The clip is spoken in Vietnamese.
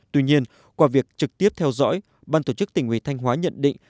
tuy nhiên qua việc trực tiếp theo dõi ban tổ chức tỉnh ủy thanh hóa nhận định